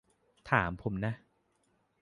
ถามผมนะ